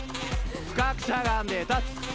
深くしゃがんで立つ。